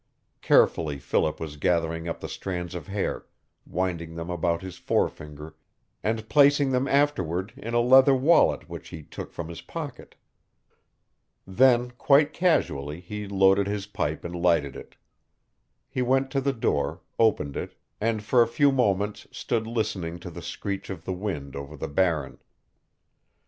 Carefully Philip was gathering up the strands of hair, winding them about his forefinger, and placing them afterward in a leather wallet which he took from his pocket. Then, quite casually, he loaded his pipe and lighted it. He went to the door, opened it, and for a few moments stood listening to the screech of the wind over the Barren.